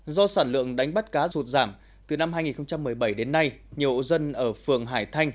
do sản lượng đánh bắt cá rụt giảm từ năm hai nghìn một mươi bảy đến nay nhiều hộ dân ở phường hải thanh